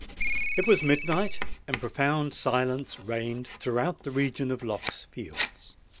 It was midnight; and profound silence reigned throughout the region of Lock's Fields.